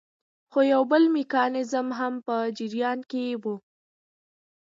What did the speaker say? خو یو بل میکانیزم هم په جریان کې وو.